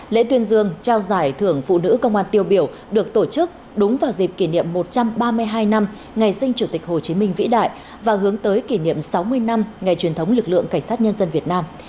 lễ tuyên dương trao giải thưởng phụ nữ công an tiêu biểu được tổ chức đúng vào dịp kỷ niệm một trăm ba mươi hai năm ngày sinh chủ tịch hồ chí minh vĩ đại và hướng tới kỷ niệm sáu mươi năm